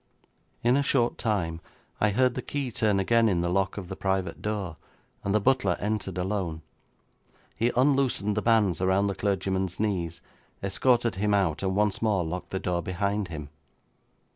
'In a short time I heard the key turn again in the lock of the private door, and the butler entered alone. He unloosened the bands around the clergyman's knees, escorted him out, and once more locked the door behind him.